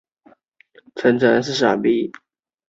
产品设计规格是产品生命周期管理中的文件之一。